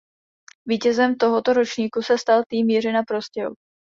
Vítězem tohoto ročníku se stal tým Jiřina Prostějov.